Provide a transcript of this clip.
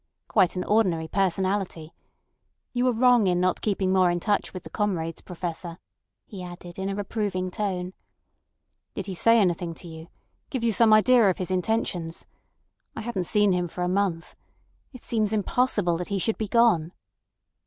"Quite an ordinary personality. You are wrong in not keeping more in touch with the comrades, Professor," he added in a reproving tone. "Did he say anything to you—give you some idea of his intentions? I hadn't seen him for a month. It seems impossible that he should be gone."